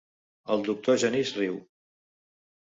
El doctor Genís riu.